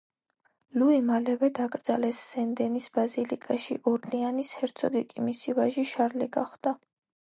ლუი მალევე დაკრძალეს სენ დენის ბაზილიკაში, ორლეანის ჰერცოგი კი მისი ვაჟი შარლი გახდა.